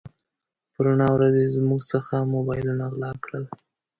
په رڼا ورځ يې زموږ څخه موبایلونه غلا کړل.